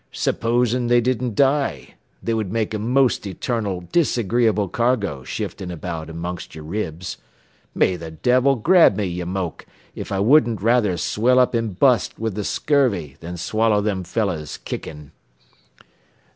"Supposen they didn't die? They would make a most eternal disagreeable cargo shiftin' about amongst your ribs. May the devil grab me, ye moke, if I wouldn't rather swell up an' bust wid th' scurvy than swallow them fellows kickin'."